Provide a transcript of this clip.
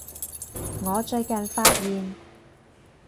我最近發現